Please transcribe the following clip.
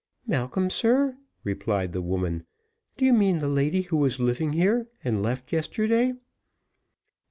"Malcolm, sir!" replied the woman; "do you mean the lady who was living here, and left yesterday?"